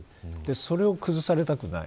それを崩されたくない。